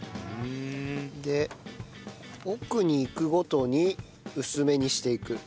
奥にいくごとに薄めにしていく。